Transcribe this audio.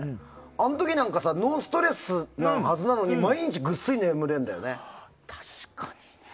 あの時なんかノンストレスのはずなのに毎日ぐっすり眠れるんだよね。